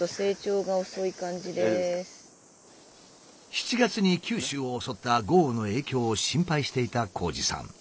７月に九州を襲った豪雨の影響を心配していた紘二さん。